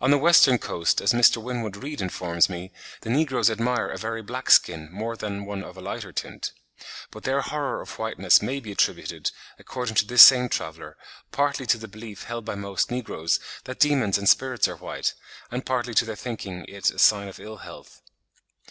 On the western coast, as Mr. Winwood Reade informs me, the negroes admire a very black skin more than one of a lighter tint. But their horror of whiteness may be attributed, according to this same traveller, partly to the belief held by most negroes that demons and spirits are white, and partly to their thinking it a sign of ill health.